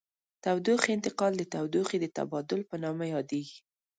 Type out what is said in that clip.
تودوخې انتقال د تودوخې د تبادل په نامه یادیږي.